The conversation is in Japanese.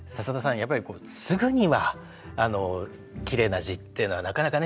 やっぱりすぐにはあのきれいな字っていうのはなかなかね